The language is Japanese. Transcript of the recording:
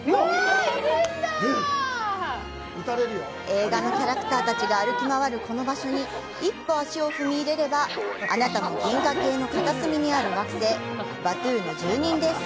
映画のキャラクターたちが歩き回るこの場所に一歩足を踏み入れれば、あなたも銀河系の片隅にある惑星バトゥーの住人です。